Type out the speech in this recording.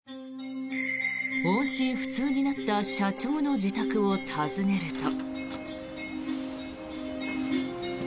音信不通になった社長の自宅を訪ねると。